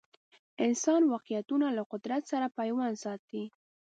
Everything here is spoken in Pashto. انسان واقعیتونه له قدرت سره پیوند ساتي